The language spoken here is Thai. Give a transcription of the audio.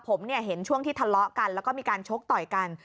ผมเห็นช่วงที่ทะเลาะกันแล้วก็มีการชกต่อยกัน